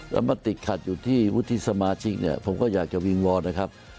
แล้วมาติดขัดอยู่ที่วุฒิสมาชิกเนี่ยผมก็อยากจะวิงวอนนะครับ